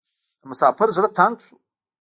د مسافر زړه تنګ شو .